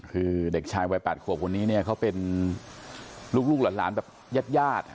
คือเด็กชายวัย๘ขวบคนนี้เนี่ยเขาเป็นลูกหลานแบบญาติญาติ